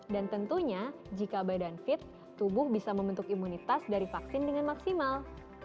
dan tentunya jika badan fit tubuh bisa membentuk imunitas dari vaksin dengan maksimal